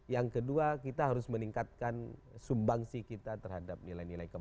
yang kedua kita harus meningkatkan sumbangsi kita terhadap nilai nilai kemanu